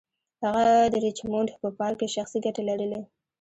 هغه د ریچمونډ په پارک کې شخصي ګټې لرلې.